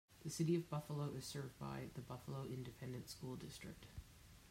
The City of Buffalo is served by the Buffalo Independent School District.